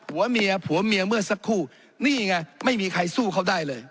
ผัวเมียผัวเมียเมื่อสักครู่นี่ไงไม่มีใครสู้เขาได้เลย